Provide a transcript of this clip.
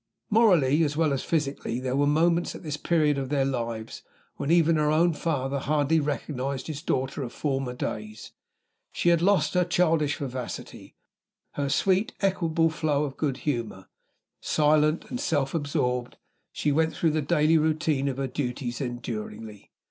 Morally as well as physically, there were moments, at this period of their lives, when even her own father hardly recognized his daughter of former days. She had lost her childish vivacity her sweet, equable flow of good humor. Silent and self absorbed, she went through the daily routine of her duties enduringly.